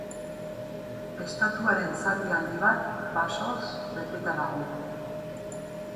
Estatuaren zati handi bat basoz beteta dago.